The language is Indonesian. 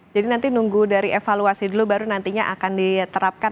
jadi nanti nunggu dari evaluasi dulu baru nantinya akan diterapkan